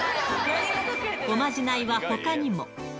おまじないはほかにも。